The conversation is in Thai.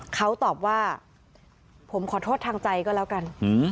เขาตอบว่าผมขอโทษทางใจก็แล้วกัน